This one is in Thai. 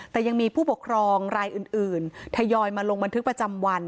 แต่ยังมีผู้ปกครองรายอื่นทยอยมาลงบันทึกประจำวัน